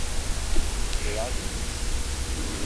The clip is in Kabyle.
Ur ɛad nuyis.